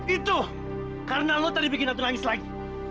itu karena lo tadi bikin ratu nangis lagi